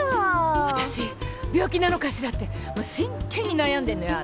「わたし病気なのかしら」ってもう真剣に悩んでんのよあなた。